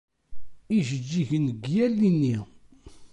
Ijeǧǧigen deg yal ini.